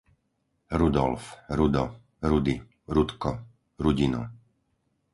Rudolf, Rudo, Rudi, Rudko, Rudino